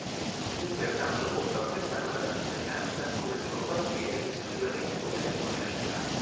Fu pertanto molto apprezzato dalla cittadinanza, come primo quartiere esclusivamente moderno della città.